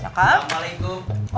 waalaikumsalam nenek cuy